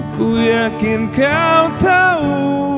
aku yakin kau tahu